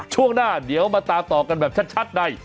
ช่วงหน้าเดี๋ยวมาตามต่อกันแบบชัดใน